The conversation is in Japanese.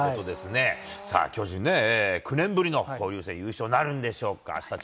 さあ、巨人ね、９年ぶりの交流戦優勝なるんでしょうか。